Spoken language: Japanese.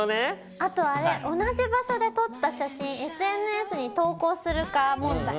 あとあれ「同じ場所で撮った写真ＳＮＳに投稿するか問題」。